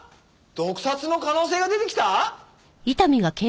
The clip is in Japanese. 毒殺の可能性が出てきた？